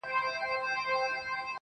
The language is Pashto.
ژوند له پوښتنو ډک پاتې کيږي-